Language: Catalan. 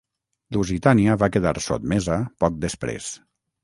Lusitània va quedar sotmesa poc després.